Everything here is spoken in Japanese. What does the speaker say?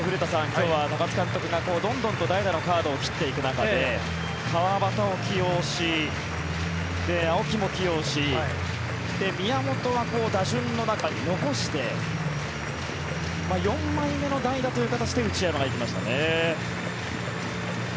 今日は高津監督がどんどん代打のカードを切っていく中で川端を起用し、青木も起用し宮本は打順の中に残して４枚目の代打という形で内山が行きましたね。